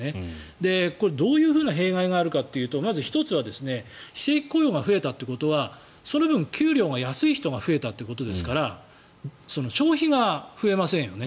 どういうふうな弊害があるかというとまず１つは非正規雇用が増えたということはその分、給料が安い人が増えたということですから消費が増えませんよね。